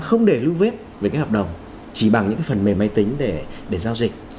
không để lưu vết về cái hợp đồng chỉ bằng những cái phần mềm máy tính để giao dịch